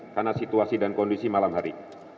karena situasi dan kondisi malam hari